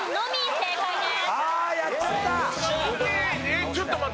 正解です。